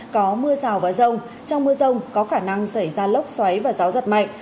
có mưa rào và rông trong mưa rông có khả năng xảy ra lốc xoáy và gió giật mạnh